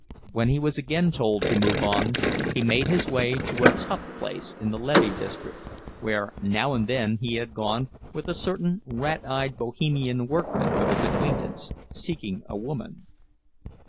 When he was again told to move on, he made his way to a "tough" place in the "Lêvée" district, where now and then he had gone with a certain rat eyed Bohemian workingman of his acquaintance, seeking a woman.